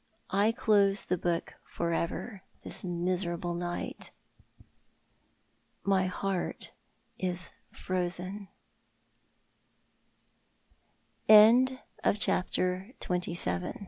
I close the book for ever this miserable night. My heart is frozen. CHAPTER XXVIII. DEATH